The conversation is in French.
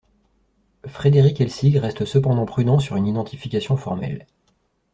Frédéric Elsig reste cependant prudent sur une identification formelle.